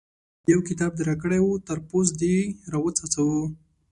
يو کتاب دې راکړی وو؛ تر پوست دې راوڅڅاوو.